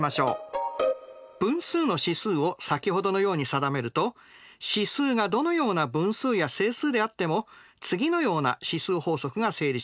分数の指数を先ほどのように定めると指数がどのような分数や整数であっても次のような指数法則が成立します。